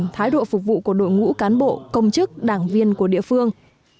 thái độ phục vụ của đội ngũ cán bộ công chức đảng viên của địa phương